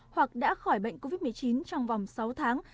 hoặc đã khỏi bệnh covid một mươi chín trong vòng sáu tháng